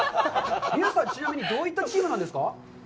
皆さん、ちなみに、どういったチームなんですか。